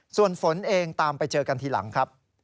ส่วนฝนเองตามไปเจอกันทีหลังครับ